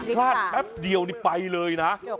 พลาดแป๊บเดียวนี้ไปเลยนะ